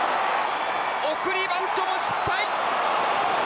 送りバントも失敗。